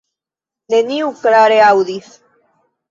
Neniu klare aŭdis.